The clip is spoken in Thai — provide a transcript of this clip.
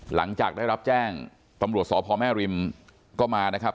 หลังจากได้รับแจ้งตำรวจสพแม่ริมก็มานะครับ